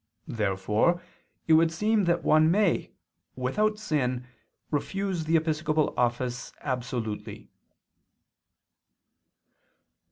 Therefore it would seem that one may, without sin, refuse the episcopal office absolutely.